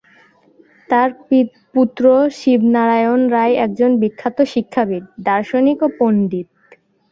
তার পুত্র শিবনারায়ণ রায় একজন বিখ্যাত শিক্ষাবিদ, দার্শনিক ও পণ্ডিত।